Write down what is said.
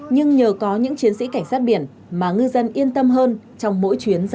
nhưng nhờ có những chiến sĩ cảnh sát biển mà ngư dân yên tâm hơn trong mỗi chuyến ra khơi